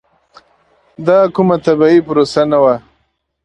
دا کومه طبیعي پروسه نه وه.